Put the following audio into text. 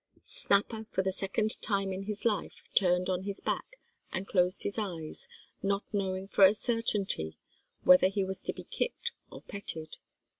Snapper for the second time in his life turned on his back and closed his eyes, not knowing for a certainty whether he was to be kicked or petted.